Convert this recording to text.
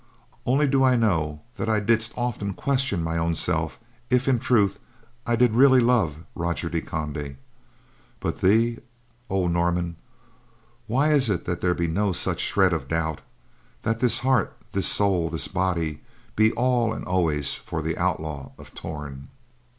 Only do I know that I did often question my own self if in truth I did really love Roger de Conde, but thee—oh Norman, why is it that there be no shred of doubt now, that this heart, this soul, this body be all and always for the Outlaw of Torn?"